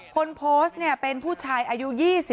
คนโพสต์เป็นผู้ชายอายุ๒๕